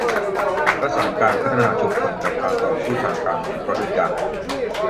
ประสานการพัฒนาชุมชนกับการต่อสู้ทางการเมืองเข้าด้วยกัน